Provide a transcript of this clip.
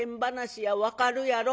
分かるやろ。